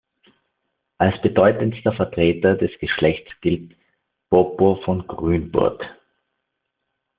Als bedeutendster Vertreter des Geschlechtes gilt "Popo von Grünburg".